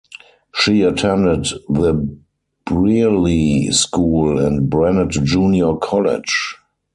She attended the Brearley School and Bennett Junior College.